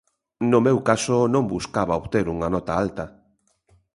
No meu caso non buscaba obter unha nota alta.